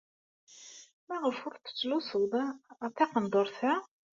Maɣef ur tettlusuḍ ara taqendurt?